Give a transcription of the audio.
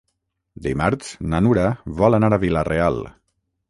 Dimarts na Nura vol anar a Vila-real.